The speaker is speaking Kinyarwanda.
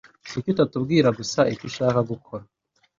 Kuki utatubwira gusa icyo ushaka gukora?